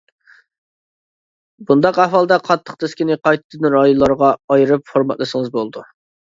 بۇنداق ئەھۋالدا قاتتىق دىسكىنى قايتىدىن رايونلارغا ئايرىپ فورماتلىسىڭىز بولىدۇ.